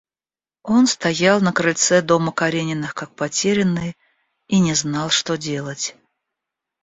Он стоял на крыльце дома Карениных, как потерянный, и не знал, что делать.